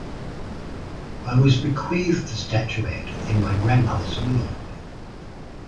I was bequeathed the statuette in my grandmother's will.